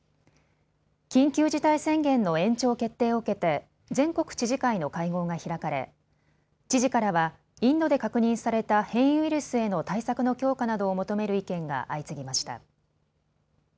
緊急事態宣言の延長決定を受けて全国知事会の会合が開かれ知事からはインドで確認された変異ウイルスへの対策の強化などを求める意見が相次ぎました。